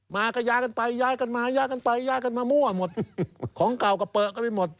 มาก็ย้ายกันไปย้ายกันมาย้ายกันไปย้ายกันมามั่วหมดของเก่าก็เปลือกันไปหมด